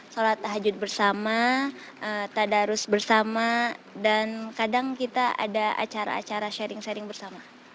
sholat tahajud bersama tadarus bersama dan kadang kita ada acara acara sharing sharing bersama